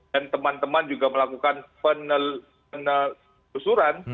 dan teman teman juga melakukan penelusuran